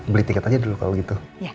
beli tiket aja dulu kalau gitu